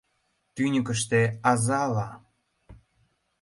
Тӱньыкыштӧ азала